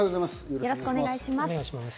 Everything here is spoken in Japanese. よろしくお願いします。